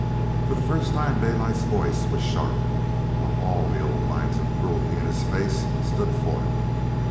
For the first time Daylight's voice was sharp, while all the old lines of cruelty in his face stood forth.